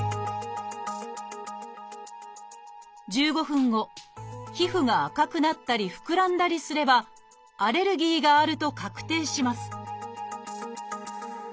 １５分後皮膚が赤くなったり膨らんだりすればアレルギーがあると確定します